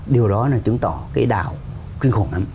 điều đó là chứng tỏ cái đảo kinh khủng lắm